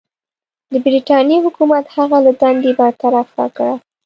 د برټانیې حکومت هغه له دندې برطرفه کړ.